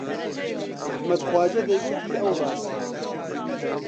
ئەحمەد خواجا دەیگوت هی ئەو ڕاستە